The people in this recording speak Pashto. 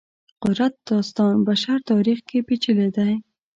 قدرت داستان بشر تاریخ کې پېچلي دی.